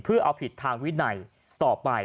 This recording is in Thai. เพื่อเอาผิดทางวินัยต่อไป